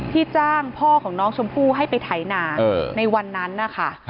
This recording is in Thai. จ้างพ่อของน้องชมพู่ให้ไปไถนาในวันนั้นนะคะ